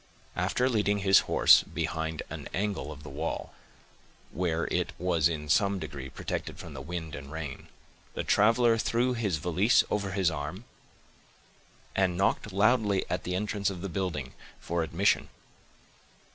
After leading his horse behind an angle of the wall, where it was in some degree protected from the wind and rain, the traveler threw his valise over his arm, and knocked loudly at the entrance of the building for admission.